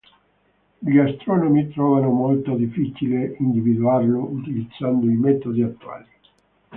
Gli astronomi trovano molto difficile individuarlo utilizzando i metodi attuali.